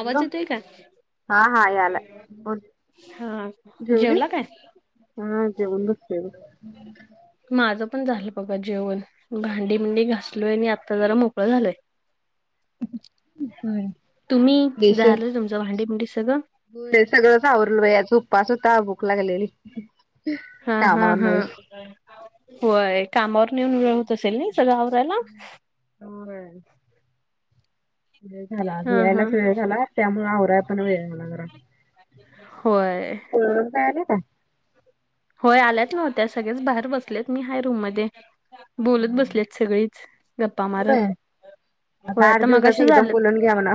आवाज येतोय का? हा हा यालाय बोल हा जेवला जेवलीस? काय? हा जेऊन बसलेलो. माझं पण झालं बघा जेवण भांडी बिंडी घासलोय आणि आत्ता जरा मोकळा झालय. हम्म हाय. तुम्ही तुमचं झाले भांडी बुंडी सगळं? होय सगळचं आवरलं बाई आज उपास होता भू क लागलेली हा हा कामवरनं हा यास. होय कामावर नेऊन वेळ होत असेल नाय सगळं आवरायला. होय. वेळ झाला आज हा हा यायलाच वेळ झाला त्यामुळे आवराय पण वेळ झाला जरा. होय. [unintelligible] यायले का? होय आल्यात नव्हत्या सगळच बाहेर बसलेत मी हाय रूम मध्ये. बोलत बसल्यात सगळीच गप्पा होय मारत. आता होय आठ दिवसाचा मगाशी एकदम झालंत. बोलून घ्या म्हणा.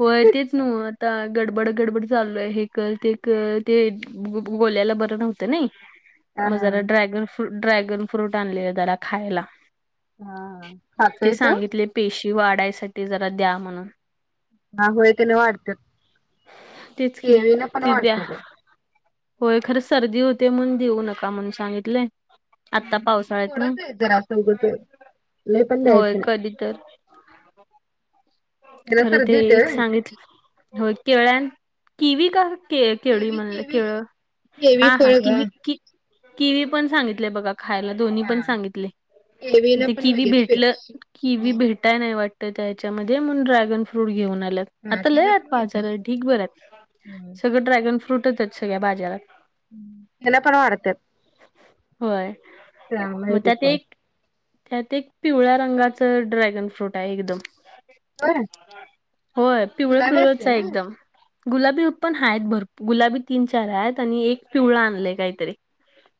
होय तेच नो आता गडबड गडबड चालू आहे हे कर ते कर ते ब बोल्याला बरं नव्ह तं नी हा म हा जरा ड्रॅगन फ्रु ड्रॅगन फ्रूट आणलेले जरा खायला. हा ते खातोय त्यो सांगितले पेशी वाढायसाठी जरा द्या म्हणून. हा होय का नाही वाढत्यात तेच की किवी ने पण ती द्या वाढत्यात. होय खरं सर्दी होते म्हणून देऊ नका म्हणुन सांगितलय. आता पावसाळ्यातनं थोडंच आहे जरासं उगच लय पण ना होय द्यायचं नाही कधी तर. त्याला खरं ते सर्दी होत्या एक व्हय. सांगितलं हो केळ्यान किवी का के केळी केवी म्हणलं केवी केळं केवी हा हा फळ ग किवी कि किवी पण सांगितलेय बघा खायला. दोन्ही हा पण सांगितले केवीला ते पण किवी लगेच फे भेटलं किवी हम्म. भेट ताय नाही वाटतं त्याच्यामध्ये म्हणून ड्रॅगन फ्रूट घेऊन आल्यात. हा आता त्याला लय पण माहित बाजार असत. ढीक भर आहेत सगळं ड्रॅगन आहेत सगळ्या बाजारात. हम्म त्याना पण वाढत्यात होय चांगले आहे मग ती त्यात पण. एक त्यात एक पिवळ्या रंगाचा ड्रॅगन फ्रूट आहे एकदम. बर होय पिवळं गुलाबी पिवळच असते आहे ना. एकदम. गुलाबी उप्पन आहेत भर गुलाबी तीन चार आहेत आणि एक पिवळा आणलंय काहीतरी.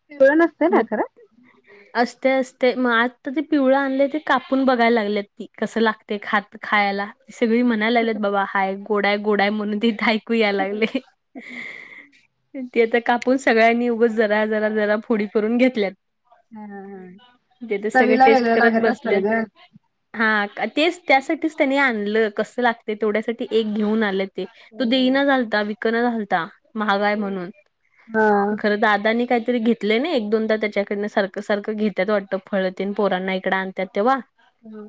पिवळा नसतेय ना मग खरं? [unintelligible] असते असते म आता ते पिवळं आणले ते कापून बघायला लागले ती कसं लागते खात खायला सगळी म्हणायला लागलेत बाबा हाय गोडा आहे गोड आहे म्हणून देत हायत ऐकू याय लागलय. ती आता कापून सगळ्यांनी उगच जरा जरा जरा फोडी करून घेतल्यात. हा हा ते तर सगळे चवीला टेस्ट वेगळं करत लागत असेल बसल्यात. ग. हा तेच त्यासाठीच त्यांनी आणलं कसं लागते तेवढ्यासाठी एक घेऊन आले ते तो दे ही झालता विकणं घालता. महाग आहे म्हणून हा खरं दादानी काहीतरी घेत तले ना एक दोनदा त्याच्याकडनं सारं सारखं घेत्यात वाटतं फळ तेन पोरांना इकडं आणतात तेव्हा. हां.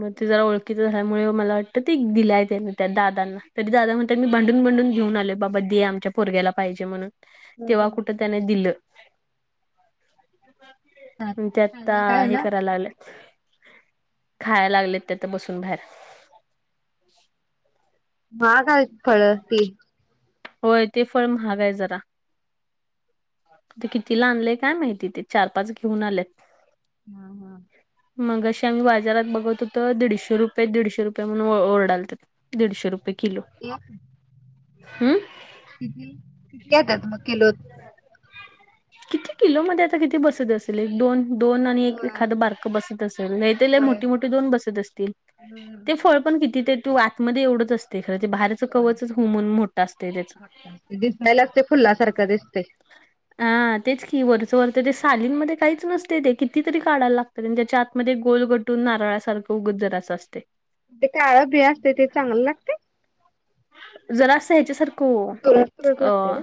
म तिजा ओळख झाल्यामुळे मला वाटत ते दिलाय त्यान त्या दादांना तरी दादा म्हणत्यात मी भांडून भांडून घेऊन आलोय बाबा दे आमच्या पोरग्याला पाहिजे म्हणून तेव्हा कुठ त्यान दिलं त्या आता खाल्ला काय हे ना. कराय लागल्या खाया लागल्या त्यात तिथ बसून बाहेर महाग हाइत फळ ती होय ते फळ महाग आहे जरा ते कितीला आणलय काय माहिती ते चार पाच घेऊन आलेत हा हा मगाशी आम्ही बाजारात बघत होत दीडशे रुपय दीडशे रुपय म्हणून ओरडालतीत दीडशे रुपय किलो एक हू कितील किती येतात मग कीलोत किती किलो मध्ये आता कितीे बसत असेल एक दोन दोन आणि एक होय एखादं बारक बसत असल नाहीतर लई होय मोठी मोठी ते दोन बसत असतील हम्म ते फळ पण किती ते तू आतमध्ये येवढच अस ते खरं ते बाहेरचं होय. कवचच हू म्हणून मोठं असते त्याच ते दिसायलाच ते फुलासारखं दिसतय हा तेच की वरचं वरच ते सालींमध्ये काहीच नसते ते कितीतरी काढायला लाग त त्याच्या आतमध्ये गोल गटून नारळासारख उगच जरासं असतय ते काळं बी असतय ते चांगलं लागतय जरासं याच्यासारखं ओ तुरट तुरट अ लागते काय?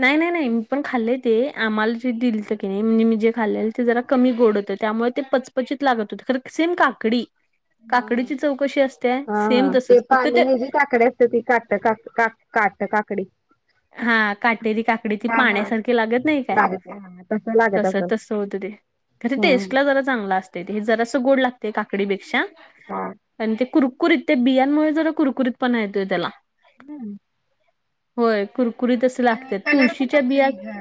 नाही नाही नाही मी पण खाल्ले ते आम्हाला जे दिलत कीनी म्हणजे मी जे खाल्ले ते जरा कमी गोड होतं त्यामुळे ते पचपचीत लागत होत खर सेम काकडी हा हा काकडीची चव कशी असत्या हा सेम हा तसच फक्त पाने ते हे जी काकडी असत्या ती काट काक का काट काकडी हा काटेरी काकडी ती पाण्यासारखी लागत नाही काय लागते हा तस लागते तस तसं होतं खर ते टेस्ट ला जरा चांगला असत हे जरास गोड लागते काकडीपेक्षा हा पण ते कुरकुरीत ते बियांमुळे जरा कुरकुरीत पना येतोय त्याला हू होय कुरकुरीत अस अ लागत्यात कलर पण तुळशीच्या बिया लागतोय ग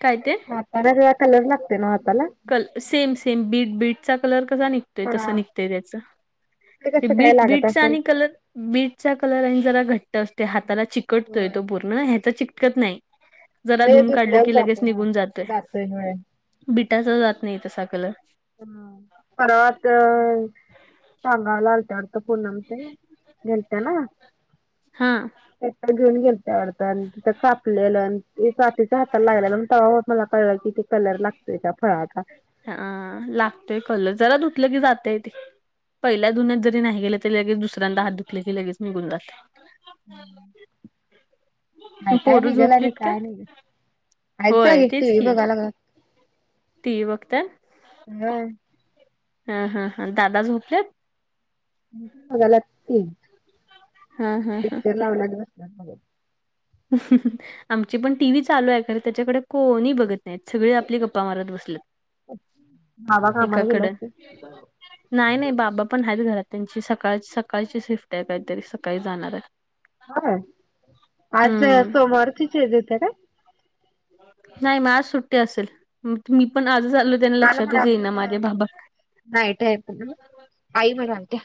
काय ते परत ह्यो कलर लागतय नवं हाताला सेम सेम बीट बीटचा कलर कसा निघतोय तसं हा निघतंय त्याच ते कसं काय बीट लागत बीटचा असेल? आणि कलर बीटचा कलर आणि जरा घट्ट असते हाताला चिकटतोय होय. तो पूर्ण ह्याचा चिटकत नाही जरा धुन काढलं की लगेच निघून जातोय होय होय त्याचा जात नाही तसा कलर परवाच सांगायला आलंत्यात त्या पूनम चे घरच्या ना हा त्याकडं घेऊन गेलत्या वाटत आणि तिथं कापलेलं आणि काकीच्या हाताला लागलेल मी तवा बघा कळल, किती कलर लागतोय त्या फळाचा? हा -आ, लागतोय कलर, जरा धुतलं की जातय ते पहिल्या धुन्यात जरी नाही गेलं, तरी लगेच दुऱ्यांदा हात धुतला, की लगेच निघून जात [inaudible] म काय काय पोरं निघल आणि झोपलीत का? काय निघल आहेत व्हय जागी तेच टीव्ही की बघाय लागल्यात. टीव्ही बघता, होय हा, हा, हा, दादा झोपल्यात? बघायलात टीव्ही, हा हा हा. पिक्चर लावायला बसलाय बघत. हंम, हंम, हं, आमची पण टीव्ही चालू आहे खरं त्याच्याकड कोणी बघत नाहीत, सगळे आपले गप्पा मारत बसलेत. बाबा कामाला गेले एकाकडं असतील. नाही नाही बाबा पण आहेत घरात, त्यांची सकाळ - सकाळची शिफ्ट आहे काहीतरी, सकाळी जाणार आहेत हा काय, आज हम्म सोमवारची चेे देतेय का? नाही म आज सुट्टी असल, मी पण आजच आलोय, त्यांन काल लक्षातच येईना, म्हणालतीत माझ्या बाबा नाईट हाय म्हणून, आई म्हणात्या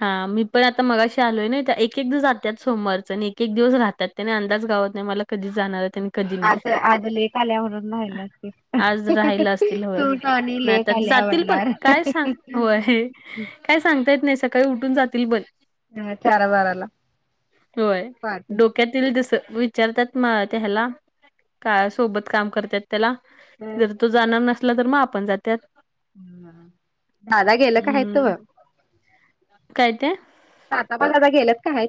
हा मी पण आता मगाशी आलोय ना, त एक -एक दिवस जात्यात सोमवारच नी एक - एक दिवस राहत्यात. त्यान अंदाज घावत नाही मला, कधी जाणार हाय तन आज, -आज लेक आल्या म्हणून राहिल्या असतील, आज राहायला असतील होय. सून आणी नाही लेक आल्या जातील पण, म्हणणार. काय सांग, व्हय, काय सांगता येत नाही सकाळी उठून जातील बल ह चार बाराला व्हय पहाटे डो काय तरी दिस, विचारतात म त्या हयाला, काळा सोबत काम करत्यात त्याला, अ जर तो जाणार नसला तर म आपण जात्यात. ह, दादा गेलं का हायत? हम्म काय - काय? आता पण दादा गेलात का हायत?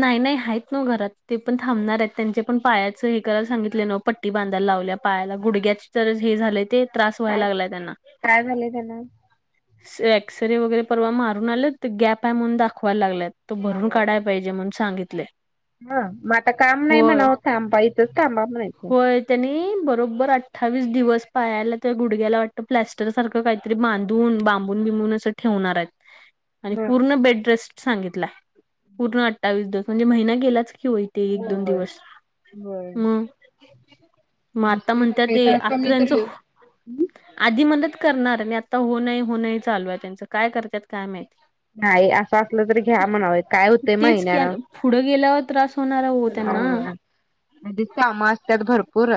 नाही - नाही आहेत नव्ह घरात, ते पण थांबणार आहेत, त्यांचे पण पायाचं हे करायला सांगितलय न पट्टी बांधायला लावल्या पायाला, गुडग्याची ज हे झालय ते त्रास काय व्हायला लागलाय त्यांना काय झाले त्यांना से एक्सरे वगैरे परवा मारून आलेत ते, त गॅप आहे म्हणून दाखवायला लागल्यात. तो भरून काढाय पाहिजे म्हणून सांगितलय हा, म आता काम नाही म्हणाव, थांबा इथंच थांबा म्हणायचं. त्यानी बरोबर अठ्ठावीस दिवस पायला त्या गुडग्याला वाटतं प्लॅस्टर सारखं काही तरी बांधून, बांबून बिबून असं ठेवणार आहेत, आणि पूर्ण बेडरेस्ट सांगितलाय. पूर्ण अठ्ठावीस दिवस म्हणजे महिना गेलाच की वय ते एक, दोन होय दिवस, होय म म आता म्हणतात ते, तर आता कमी त्यांचं तरी आधी म्हणलंत करणार नी आता हो नाही - हो नाही चालू आहे त्यांचं, काय करत्यात काय माहिती? नाही, असं असलं तरी घ्या म्हणाव, काय हो तेच किआलं, पुढं गेल्यावर त्रास होणारा हो त्यांना. म्हणलीस कामं असत्यात भरपूर,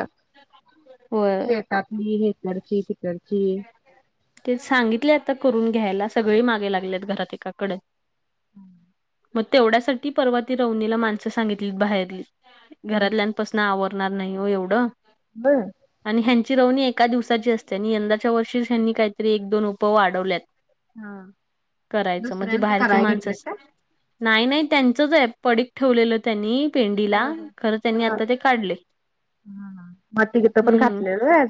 होय शेत तली हीकरची तीकरची ते सांगितले आता करून घ्यायला, सगळे मागे लागलेत घरात एकाकडं [inaudible] म तेवढ्यासाठी परवा ती रवनीला माणसं सांगितली बाहेरली, घरातल्यांपासन आवरत णार नाही हो एवढं [unintelligible] आणि ह्यांची रवनी एका दिवसाची असते आणि यंदाच्या वर्षी ह्यांनी काहीतरी एक दोन उपव वाडवल्यात. हा करायचं म ती दुसऱ्यांच भायेरची कराय माणसं घेतलं का नाई नाई त्यांचच आए पडी ठेवलेलं त्यांनी पेंडीला हा खरं हा त्यांनी आता ते काढले. हा हा माती गितं पण हम्म घातलेल व्हय.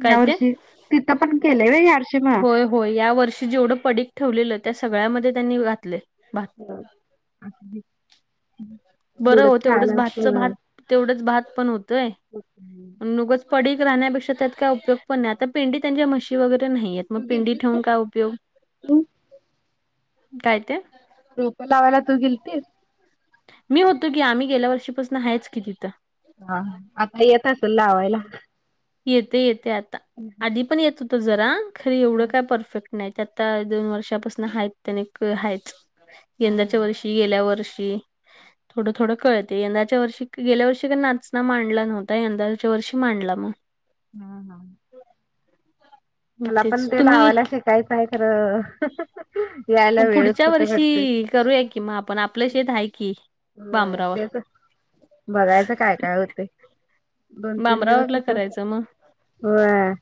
काय या ते? वर्षी तिथं पण केलंय व या वर्ष् होय होय या वर्षी जेवढं पडीक ठेवलेलं त्या सगळ्यामध्ये त्यांनी घातले बा. होय असु दे. बरं हो तेवढंच भातच भात असतं. तेवढंच भात पण होतंय तू अन् ऊगच. पडीक राहण्यापेक्षा त्यात काय उपयोग पण नाय आता पेंडी त्यांच्या म्हशी वगैरे न्हाईयेत. म पेंडी ठेवून काय उपयोग, काय ते. रोपं लावायला तू गेलतीस. मी होतो की आम्ही गेल्या वर्षीपासनं हायच की तिथं. हां आता येत असल लावायला. येते येते आता आधी पण येत होत जरा खर हा एवढं काय परफेक्ट नाईत आता दोन वर्षापासून हायत अणीक हायच. हा यंदाच्या हा. वर्षी गेल्या वर्षी. थोडं थोडं कळते यंदाच्या वर्षी क गेल्या वर्षी का नाचना मांडला नव्हता यंदाच्या वर्षी मांडला म. हां हां. मग मला पण तेच ते तुम्ही लावायला शिकायचं आहे खरं, यायला मग वेळच पुढच्या कुठं भेटतोय. वर्षी करूया की म आपण आपलं शेत हाय की. होय बांबरावर तेच बघायचं काय काय होतय. दोन तीन दिवस बांबरावरला तीथंच करायचं मग व्हय.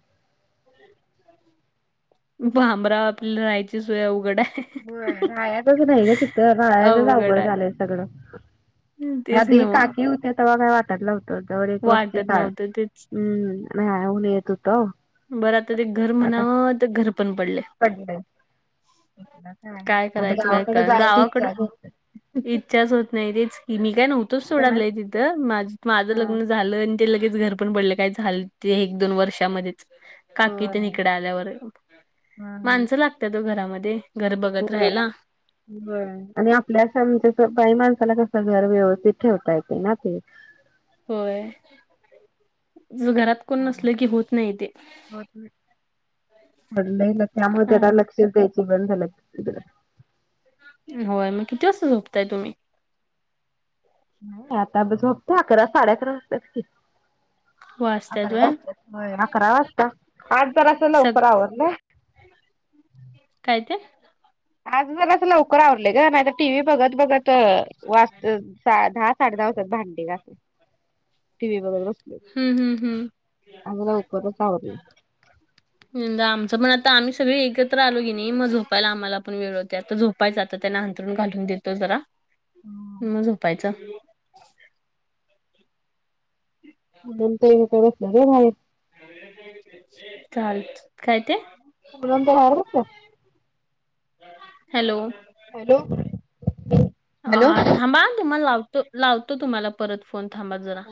भांमरा आपल्या राहायची सोय अवघडाय. र्हायाचंच नाय ना तिथं र्हायाचंच अवघड झालंय सगळं. तेच आधी नव्ह काकी होती तवा काय वाटत नव्ह तेवढी एक वस्ती वाटत काढ नव्हतं तेच. [unintelligible] बरं आता ते घर म्हणावं त घर पण पडले [unintelligible] कसलं काय आता करायचं काय गावाकडं कळना जायची इच्छाच होत नाई. नाई रेच की मी काय नव्हतोच सोडालाय तिथं माझ तर माझं हा लग्न झालंन ते लगेच घर पण पडलं काय झालं ते एक दोन वर्षामध्येच काकी ते न होय इकड आल्यावर हा माणसं लागत्यात ओ घरामध्ये. घर बघत होय राहायला बर आणि आपल्या शमच्या बाई माणसाला कसं घर व्यवस्थित ठेवता येतं ना ते. होय ज घरात कोण नसलं की होत नाई ते. पडलय ना त्यामुळे त्याला लक्षच द्यायची बंद झालं होय म किती वाजता झोपताय तुम्ही? नाई आता त झोपतो अकरा साडे अकरा वाजतात की. वाचतात अकरा व्हय वाजत्यात होय अकरा वाजता आज जरास सग लवकर आवरलंय. काय ते? आज जरसं लवकर आवरलंय ग नाही तर टी व्ही बघत बघत वाजतं साधा साडे दहा वाजातात भांडी घासाय टीव्ही बघत बसलो की. हम्म हम्म हम्म आज लवकरच आवरलं. आमचं पण आता आम्ही सगळे एकत्र आलो की नी म झोपायला आम्हाला पण वेळ होते आता झो झोपायच आता त्यांना अंथरुण घालून देतो जरा म झोपायचं [inaudible] म्हणून त्या इंटा घेतल्यात व्हय बाहेर चाल काय ते पूनम त्या बाहेर बघत्यात हॅलो हॅलो हा थांबा हा तुम्हाला लावतो लावतो तुम्हाला परत फोन थांबा जरा